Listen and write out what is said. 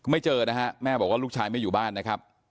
เจอนะฮะแม่บอกว่าลูกชายไม่อยู่บ้านนะครับ